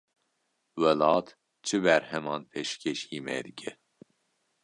Welat çi berheman pêşkêşî me dike?